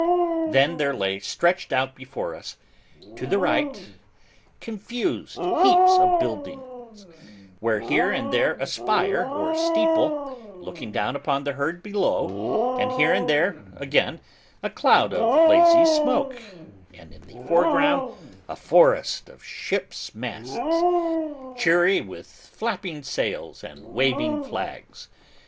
Then there lay stretched out before us, to the right, confused heaps of buildings, with here and there a spire or steeple, looking down upon the herd below; and here and there, again, a cloud of lazy smoke; and in the foreground a forest of ships' masts, cheery with flapping sails and waving flags.